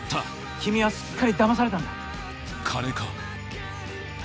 君はすっかりだまされたんだ。